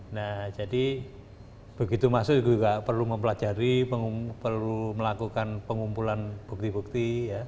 nah jadi begitu masuk juga perlu mempelajari perlu melakukan pengumpulan bukti bukti